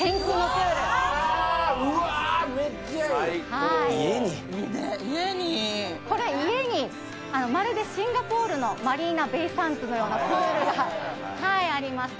最高ねえ家にこれ家にあのまるでシンガポールのマリーナベイ・サンズのようなプールがはいあります